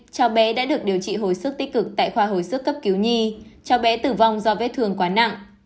cháu bé đã được điều trị hồi sức tích cực tại khoa hồi sức cấp cứu nhi cháu bé tử vong do vết thương quá nặng